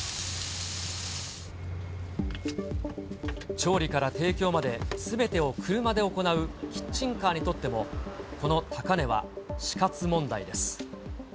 調理から提供まですべてを車で行うキッチンカーにとっても、この高値は死活問題です。